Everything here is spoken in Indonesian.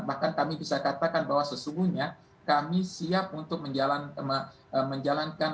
bahkan kami bisa katakan bahwa sesungguhnya kami siap untuk menjalankan